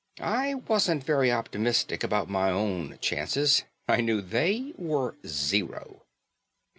I wasn't very optimistic about my own chances. I knew they were zero.